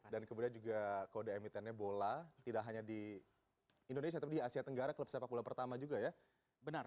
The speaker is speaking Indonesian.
dan kemudian juga kode emitennya bola tidak hanya di indonesia tapi di asia tenggara klub sepak bola pertama juga ya